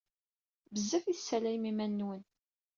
Bezzaf i tessalayem iman-nwen!